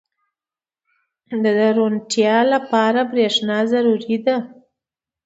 • د روڼتیا لپاره برېښنا ضروري ده.